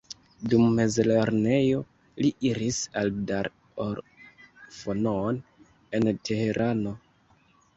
Dum mezlernejo li iris al Dar ol-Fonoon en Teherano.